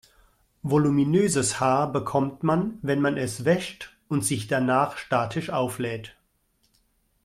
Voluminöses Haar bekommt man, wenn man es wäscht und sich danach statisch auflädt.